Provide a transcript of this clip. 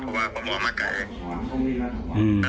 เพราะว่าผมออกมาใกล้